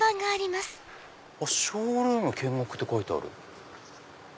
「ショールーム見学」って書いてある。